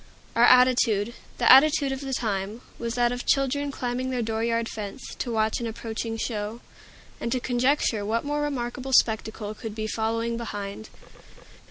Our attitude the attitude of the time was that of children climbing their dooryard fence, to watch an approaching show, and to conjecture what more remarkable spectacle could be following behind.